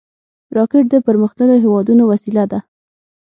راکټ د پرمختللو هېوادونو وسیله ده